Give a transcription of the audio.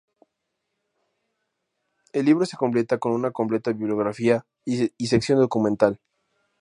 El libro se completa con una completa bibliografía y sección documental.